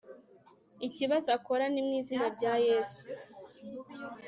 ikibazo akora ni mwizina rya yesu